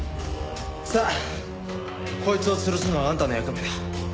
さあこいつを吊すのはあんたの役目だ。